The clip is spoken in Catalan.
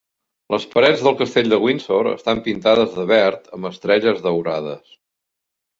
Les parets del castell de Windsor estan pintades de verd amb estrelles daurades.